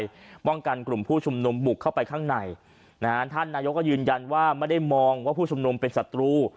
ป้องกันกลุ่มผู้ชุมนุมบุกเข้าไปข้างในนะฮะท่านนายกก็ยืนยันว่าไม่ได้มองว่าผู้ชุมนุมเป็นศัตรู